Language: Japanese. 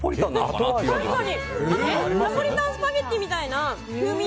確かにナポリタンスパゲティみたいな風味。